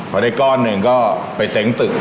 พอได้ก้อนหนึ่งก็ไปเซ้งตึก